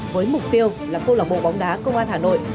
với mục tiêu là công an hà nội